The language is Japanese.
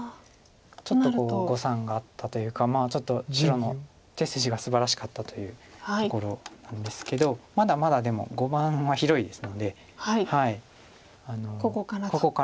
ちょっと誤算があったというか白の手筋がすばらしかったというところなんですけどまだまだでも碁盤は広いですのでここから立て直していけるかどうかです。